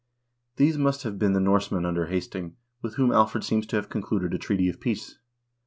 These must have been the Norsemen under Hasting, with whom Alfred seems to have concluded a treaty of peace.